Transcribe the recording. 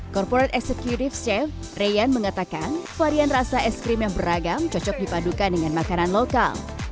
corporate executive chef reyan mengatakan varian rasa es krim yang beragam cocok dipadukan dengan makanan lokal